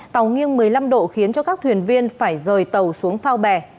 tàu nghiêng một mươi năm độ khiến cho các thuyền viên phải rời tàu xuống khu vực